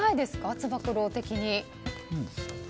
つば九郎的に。